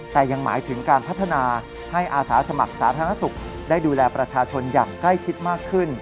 แต่ยังหมายถึงการพัฒนาให้อาสาสมัครสาธารณสุขได้ดูแลประชาชนอย่างใกล้ชิดมากขึ้น